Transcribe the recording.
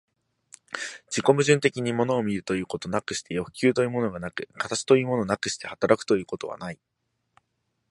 自己矛盾的に物を見るということなくして欲求というものがなく、形というものなくして働くということはない。